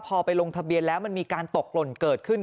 พอไปลงทะเบียนแล้วมันมีการตกหล่นเกิดขึ้น